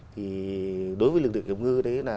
thì đối với lực lượng kiểm ngư